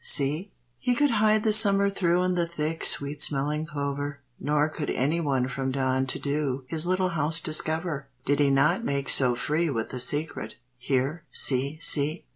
see!" He could hide the summer through In the thick, sweet smelling clover, Nor could anyone from dawn to dew, His little house discover, Did he not make so free With the secret "Here! see! see!"